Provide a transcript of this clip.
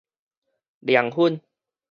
涼粉